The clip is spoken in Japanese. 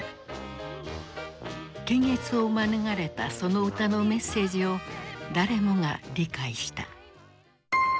検閲を免れたその歌のメッセージを誰もが理解した。